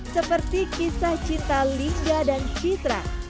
seperti kisah cinta lingga dan citra